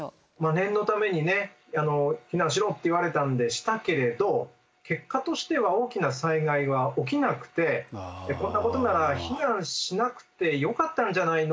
念のためにね避難しろって言われたんでしたけれど結果としては大きな災害は起きなくてこんなことなら避難しなくてよかったんじゃないの？